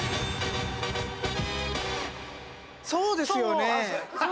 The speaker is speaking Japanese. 「そうですよね」！